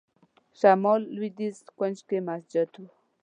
شمال لوېدیځ کونج کې مسجد و.